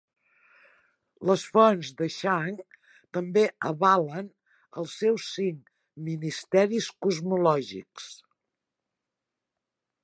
Les fonts de Shang també avalen els seus Cinc Ministeris cosmològics.